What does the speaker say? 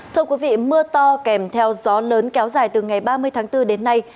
thưa quý vị mưa to kèm theo gió lớn kéo dài từ ngày ba mươi tháng bốn đến nay